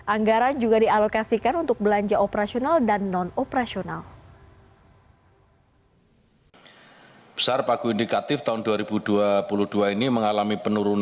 anggaran juga untuk pendidikan sebesar rp lima puluh lima delapan triliun